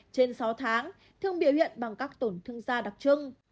trên sáu tháng thường biểu hiện bằng các tổn thương da đặc trưng